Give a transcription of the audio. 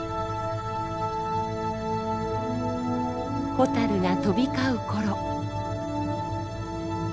ホタルが飛び交うころ。